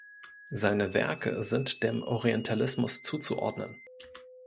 Seine Werke sind dem Orientalismus zuzuordnen.